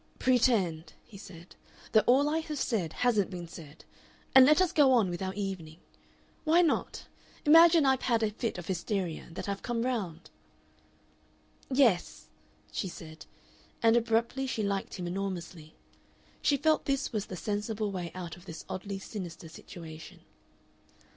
"Pretend," he said, "that all I have said hasn't been said. And let us go on with our evening. Why not? Imagine I've had a fit of hysteria and that I've come round." "Yes," she said, and abruptly she liked him enormously. She felt this was the sensible way out of this oddly sinister situation.